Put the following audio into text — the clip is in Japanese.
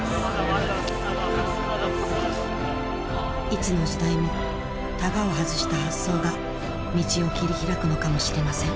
いつの時代もタガを外した発想が道を切り開くのかもしれません